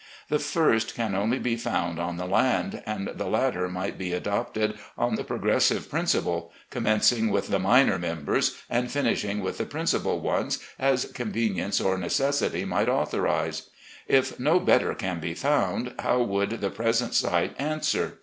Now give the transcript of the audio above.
The first can only be found on the land, and the latter might be adopted on the progressive principle, commencing with the minor members, and finishing with the principal ones as con venience or necessity might authorise. If no better can be found, how would the present site answer?